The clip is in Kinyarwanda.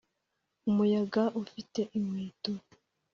umuyaga ufite inkweto